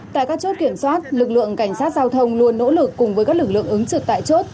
tại các chốt kiểm soát lực lượng cảnh sát giao thông luôn nỗ lực cùng với các lực lượng ứng trực tại chốt